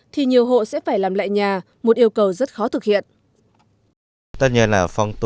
thì nhiều hộ sẽ phải làm lại nhà một yêu cầu rất khó thực hiện